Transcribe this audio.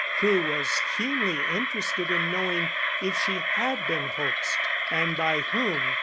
Crewe was keenly interested in knowing if she had been hoaxed, and by whom.